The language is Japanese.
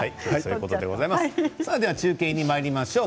中継にまいりましょう。